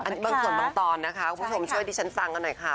อันนี้บางส่วนบางตอนนะคะคุณผู้ชมช่วยดิฉันฟังกันหน่อยค่ะ